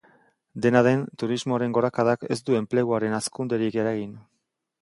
Dena den, turismoaren gorakadak ez du enpleguaren hazkunderik eragin.